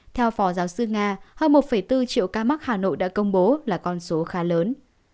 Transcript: theo phó giáo sư nga hơn một bốn triệu ca mắc hà nội đã công bố là con số khá lớn